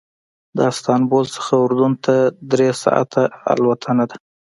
له استانبول نه اردن ته درې ساعته الوتنه ده.